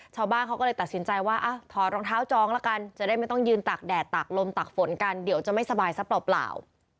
ชาวบ้านเขาก็เลยตัดสินใจว่าถอดรองเท้าจองละกันจะได้ไม่ต้องยืนตากแดดตักลมตักฝนกันเดี๋ยวจะไม่สบายซะเปล่า